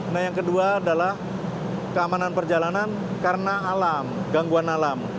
nah yang kedua adalah keamanan perjalanan karena alam gangguan alam